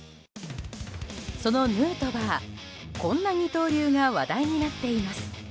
そのヌートバー、こんな二刀流が話題になっています。